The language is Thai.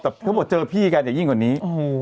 แต่เขาบอกเจอพี่กันอย่ายิ่งกว่านี้